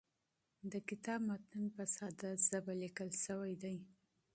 د کتاب متن په ساده ژبه لیکل سوی دی.